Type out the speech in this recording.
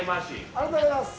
ありがとうございます。